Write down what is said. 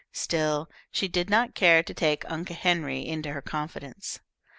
Still, she did not care to take Unc' Henry into her confidence.